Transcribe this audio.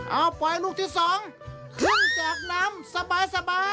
เอาปล่อยลูกที่๒ขึ้นจากน้ำสบาย